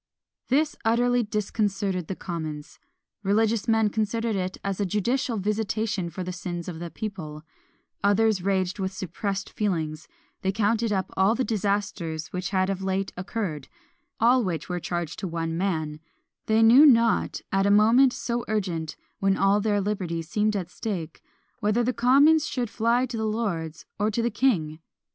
This utterly disconcerted the commons. Religious men considered it as a judicial visitation for the sins of the people; others raged with suppressed feelings; they counted up all the disasters which had of late occurred, all which were charged to one man: they knew not, at a moment so urgent, when all their liberties seemed at stake, whether the commons should fly to the lords, or to the king.